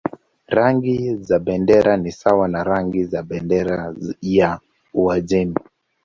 Rangi za bendera ni sawa na rangi za bendera ya Uajemi.